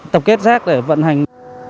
tập kết rác để vận hành